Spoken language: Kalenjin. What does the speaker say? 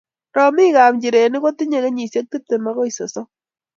romikab nchirenik kotinyei kenyisiek tiptem akoi sososm.